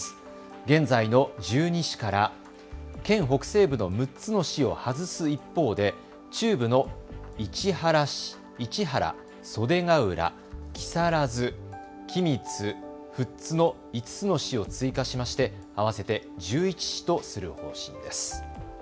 現在の１２市から県北西部の６つの市を外す一方で中部の市原、袖ケ浦、木更津、君津、富津の５つの市を追加しまして合わせて１１市とする方針です。